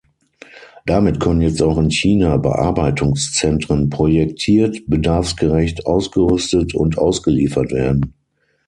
Damit können jetzt auch in China Bearbeitungszentren projektiert, bedarfsgerecht ausgerüstet und ausgeliefert werden.